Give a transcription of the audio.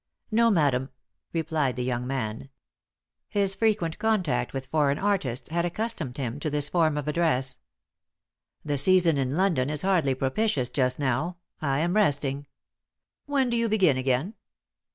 "No, madam," replied the young man. His frequent contact with foreign artists had accustomed him to this form of address. "The season in London is hardly propitious just now. I am resting." "When do you begin again?"